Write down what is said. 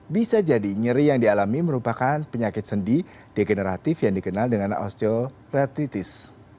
bisa jadi nyeri yang dialami merupakan penyakit sendi degeneratif yang dikenal dengan osteopreatitis